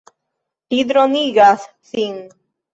Li dronigas sin.